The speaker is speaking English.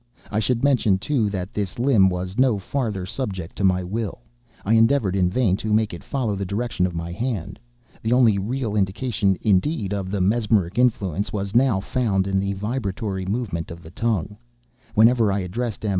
I should mention, too, that this limb was no farther subject to my will. I endeavored in vain to make it follow the direction of my hand. The only real indication, indeed, of the mesmeric influence, was now found in the vibratory movement of the tongue, whenever I addressed M.